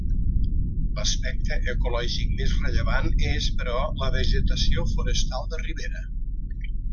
L'aspecte ecològic més rellevant és, però, la vegetació forestal de ribera.